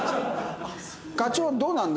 課長どうなんだ？